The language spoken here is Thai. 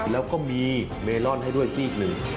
แล้วก็มีเมลอนให้ด้วยซีกหนึ่ง